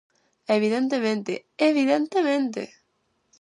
Evidentemente, ¡evidentemente!